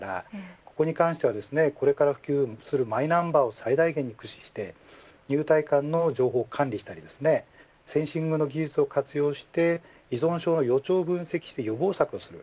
ここに関してはこれから普及するマイナンバーを最大限駆使して入退館の情報を管理したりセンシングの技術を活用して依存症の予兆を分析して予防策をする。